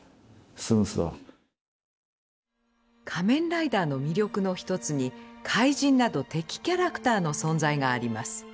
「仮面ライダー」の魅力の一つに怪人など敵キャラクターの存在があります。